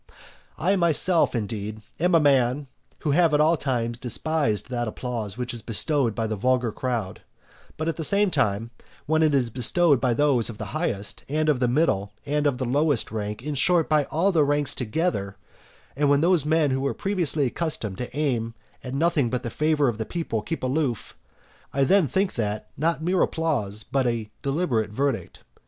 I myself, indeed, am a man who have at all times despised that applause which is bestowed by the vulgar crowd, but at the same time, when it is bestowed by those of the highest, and of the middle, and of the lowest rank, and, in short, by all ranks together, and when those men who were previously accustomed to aim at nothing but the favour of the people keep aloof, I then think that, not mere applause, but a deliberate verdict.